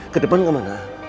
ke depan ke mana